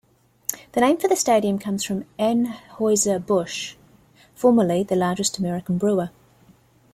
The name for the stadium comes from Anheuser-Busch, formerly the largest American brewer.